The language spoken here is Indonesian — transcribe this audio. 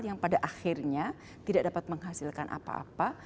yang pada akhirnya tidak dapat menghasilkan apa apa